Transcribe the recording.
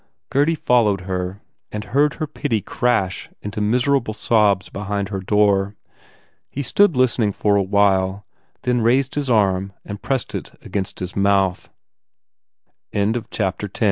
Gurdy followed her and heard her pity crash into miserable sobs behind her door. He stood listening for a while then raised his arm and pressed it agai